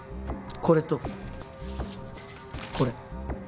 これとこれ。